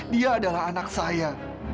dia adalah anak saya